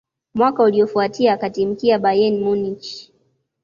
Mwaka uliyofuatia akatimkia Bayern Munich